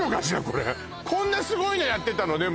これこんなすごいのやってたのね